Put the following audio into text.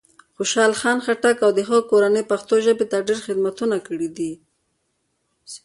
خوشال خان خټک او د هغه کورنۍ پښتو ژبې ته ډېر خدمتونه کړي دی.